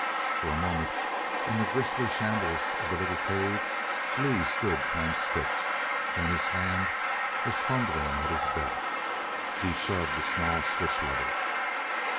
For a moment, in the grisly shambles of the little cave Lee stood transfixed. Then his hand was fumbling at his belt. He shoved the small switch lever.